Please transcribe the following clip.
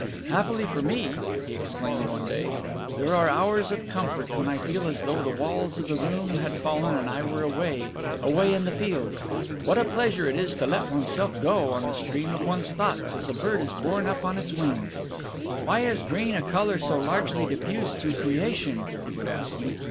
"Happily for me," he exclaimed one day, "there are hours of comfort when I feel as though the walls of the room had fallen and I were away away in the fields! What a pleasure it is to let oneself go on the stream of one's thoughts as a bird is borne up on its wings!" "Why is green a color so largely diffused throughout creation?" he would ask me.